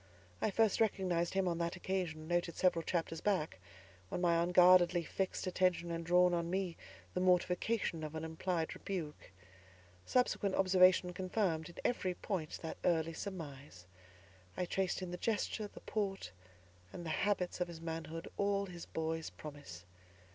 I first recognised him on that occasion, noted several chapters back, when my unguardedly fixed attention had drawn on me the mortification of an implied rebuke. Subsequent observation confirmed, in every point, that early surmise. I traced in the gesture, the port, and the habits of his manhood, all his boy's promise.